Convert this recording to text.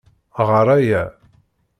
Ɣer aya.